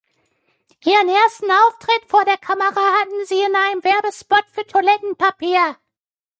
Ihren ersten Auftritt vor der Kamera hatten sie in einem Werbespot für Toilettenpapier.